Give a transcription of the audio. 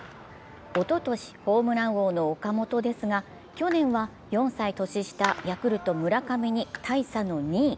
おととしホームラン王の岡本ですが、去年は４歳年下、ヤクルト・村上に大差の２位。